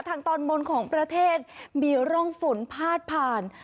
ทางตอนบนของประเทศมีร่องฝนพาดผ่าน